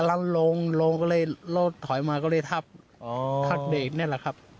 กำลังลงก็เลยรถถอยมาก็เลยทับเด็กนั้นแหละครับ